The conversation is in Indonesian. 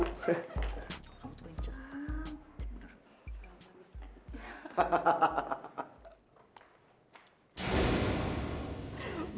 di ruangannya bu